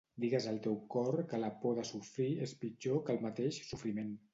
Digues al teu cor que la por de sofrir és pitjor que el mateix sofriment.